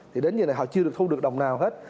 thì đến ngày nay họ chưa thu được đồng nào hết